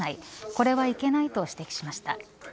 これはいけないと指摘しました。